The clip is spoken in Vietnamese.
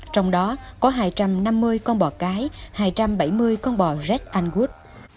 trong đó có hai trăm năm mươi con bò cái hai trăm bảy mươi con bò red angus